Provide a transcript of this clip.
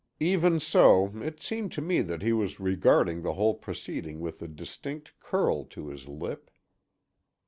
Even so it seemed to me that he was regarding the whole proceeding with a distinct curl to his lip.